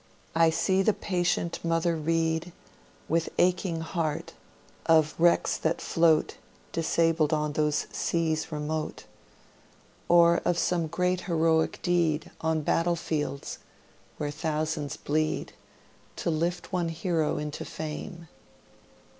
I see the patient mother read, With aching heart, of wrecks that float Disabled on those seas remote, Or of some great heroic deed On battle fields, where thousands bleed To lift one hero into fame.